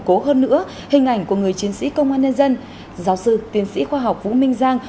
cố hơn nữa hình ảnh của người chiến sĩ công an nhân dân giáo sư tiến sĩ khoa học vũ minh giang